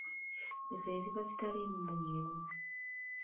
Ezo eziba zitaliimu munnyo.